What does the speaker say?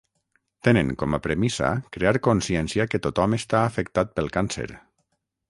Tenen com a premissa crear consciència que tothom està afectat pel càncer.